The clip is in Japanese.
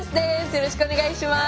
よろしくお願いします。